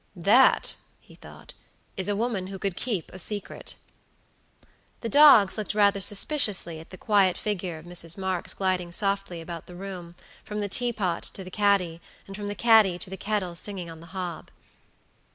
"That," he thought, "is a woman who could keep a secret." The dogs looked rather suspiciously at the quiet figure of Mrs. Marks gliding softly about the room, from the teapot to the caddy, and from the caddy to the kettle singing on the hob.